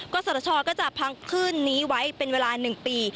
ก็สรชก็จะพังขึ้นนี้ไว้เป็นเวลา๑ปี